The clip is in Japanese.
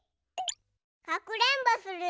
かくれんぼするよ。